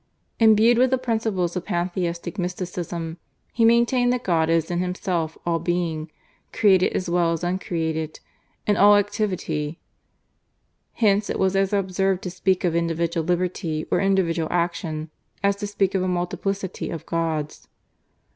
Imbued with the principles of pantheistic mysticism, he maintained that God is in Himself all being, created as well as uncreated, and all activity. Hence it was as absurd to speak of individual liberty or individual action as to speak of a multiplicity of gods.